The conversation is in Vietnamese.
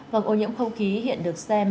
vâng ô nhiễm không khí hiện được xem